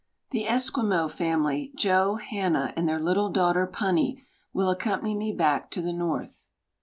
The Esquimaux family, Joe, Hannah, and their little daughter Punny, will accompan}'' me back to the north.